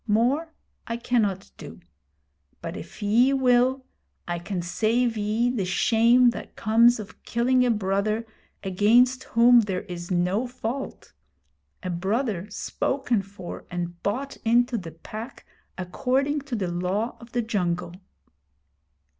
More I cannot do; but if ye will, I can save ye the shame that comes of killing a brother against whom there is no fault, a brother spoken for and bought into the Pack according to the Law of the Jungle.'